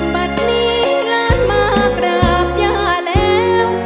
บัตรนี้ล้านมากราบย่าแล้ว